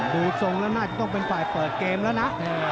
ดูทรงแล้วน่าจะต้องเป็นฝ่ายเปิดเกมแล้วนะ